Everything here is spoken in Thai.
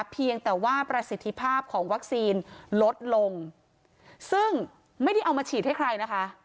เพียงแต่ว่าประสิทธิภาพของวัคซีนลดลงซึ่งไม่ได้เอามาฉีดให้ใครนะคะ